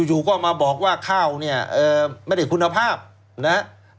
อยู่ก็มาบอกว่าข้าวเนี่ยไม่ได้คุณภาพนะครับ